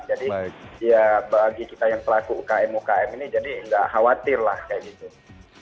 jadi ya bagi kita yang pelaku ukm ukm ini jadi nggak khawatir lah kayak gitu